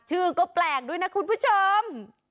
ชื่อก็แปลกด้วยนะคุณผู้ชม